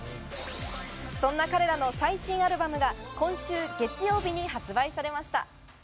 そんな彼らの最新アルバムが今週月曜日に発売されました。